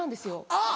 あっ！